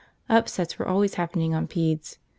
Upsets were always happening on pedes.